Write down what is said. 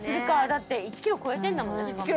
だって１ｋｇ超えてんだもんね。